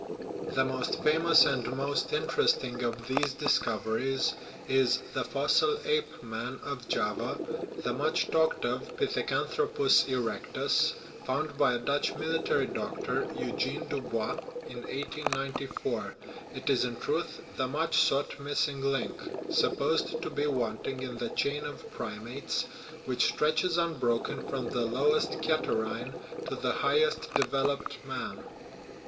The most famous and most interesting of these dis coveries is the fossil ape man of Java, the much talked of pithecanthropus erectus, found by a Dutch military doctor, Eugen Dubois, in 1894. It is in truth the much sought " missing link/' supposed to be wanting in the chain of primates, which stretches unbroken from the lowest catarrhinae to the highest developed man.